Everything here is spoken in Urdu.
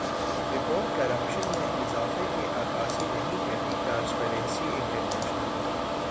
رپورٹ کرپشن میں اضافے کی عکاسی نہیں کرتی ٹرانسپیرنسی انٹرنیشنل